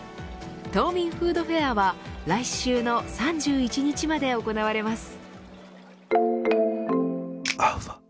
凍眠フードフェアは来週の３１日まで行われます。